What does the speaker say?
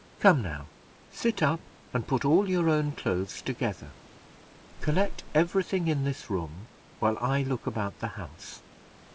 Come, now, sit up and put all your own clothes together. Collect every thing in this room, while I look about the house.